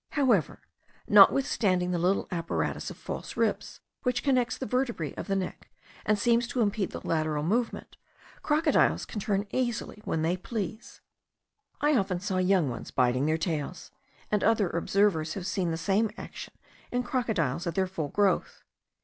However, notwithstanding the little apparatus of false ribs, which connects the vertebrae of the neck, and seems to impede the lateral movement, crocodiles can turn easily when they please. I often saw young ones biting their tails; and other observers have seen the same action in crocodiles at their full growth.